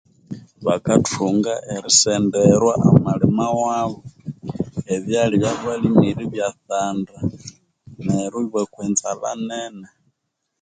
Bakathunga erisenderwa amalima wabo ebyalya bya balimire ebyatsanda neru bakwa enzalha nene